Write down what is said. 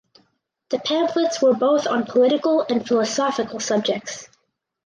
The pamphlets were both on political and philosophical subjects.